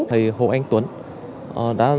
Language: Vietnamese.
thầy hồ anh tuấn đã